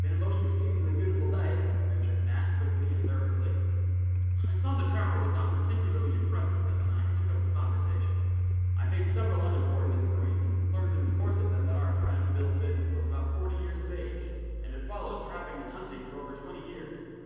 "Been a most exceedingly beautiful day," ventured Nat, quickly and nervously. I saw the trapper was not particularly impressed with him, and I took up the conversation. I made several unimportant inquiries, and learned in the course of them, that our friend, Bill Biddon, was about forty years of age, and had followed trapping and hunting for over twenty years.